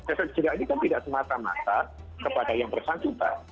efek jerah ini kan tidak semata mata kepada yang bersangkutan